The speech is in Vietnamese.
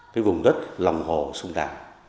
cái vùng đất lòng hồ sông đà